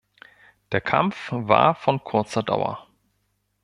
Der Kampf war von kurzer Dauer.